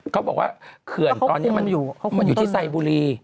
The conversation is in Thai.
เขาบอกว่าเขื่อนตอนนี้มันอยู่ที่ไซบุรี